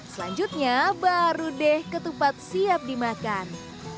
selanjutnya baru deh ketupat siap dimakan